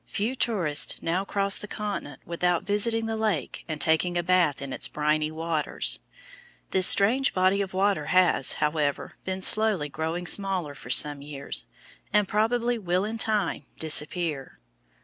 Few tourists now cross the continent without visiting the lake and taking a bath in its briny waters. This strange body of water has, however, been slowly growing smaller for some years, and probably will in time disappear.